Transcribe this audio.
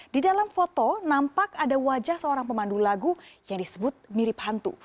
di dalam foto nampak ada wajah seorang pemandu lagu yang disebut mirip hantu